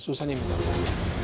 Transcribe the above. susahnya minta ampun